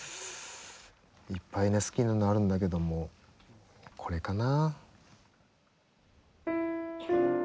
いっぱいね好きなのあるんだけどもこれかな。